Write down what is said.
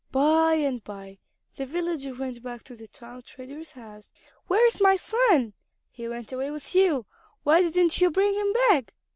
By and by the villager went back to the town trader's house. "Where is my son? He went away with you. Why didn't you bring him back?"